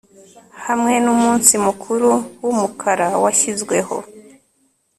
Hamwe numunsi mukuru wumukara washyizweho